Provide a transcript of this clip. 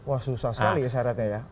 wah susah sekali isyaratnya ya